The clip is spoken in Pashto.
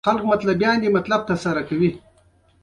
نومیالی عارف مشهور صوفي عبدالرحمان بابا زوی دی.